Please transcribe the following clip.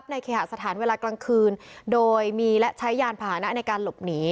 เคหสถานเวลากลางคืนโดยมีและใช้ยานพาหนะในการหลบหนี